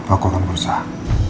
aku akan berusaha